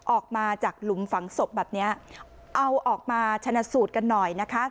ออกมาจากหลุมฝังศพแบบนี้เอาออกมาชนะสูตรกันหน่อยนะคะ